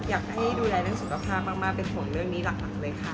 อยากให้ดูแลเรื่องสุขภาพมากเป็นผลเรื่องนี้หลักเลยค่ะ